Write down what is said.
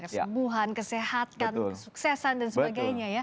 kesembuhan kesehatan kesuksesan dan sebagainya ya